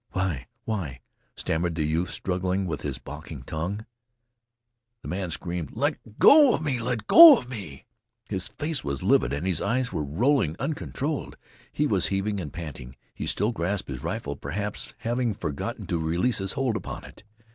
"Why why " stammered the youth struggling with his balking tongue. The man screamed: "Let go me! Let go me!" His face was livid and his eyes were rolling uncontrolled. He was heaving and panting. He still grasped his rifle, perhaps having forgotten to release his hold upon it.